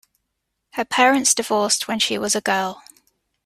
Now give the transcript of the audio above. Her parents divorced when she was a girl.